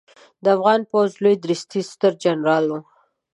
د افغان پوځ لوی درستیز سترجنرال و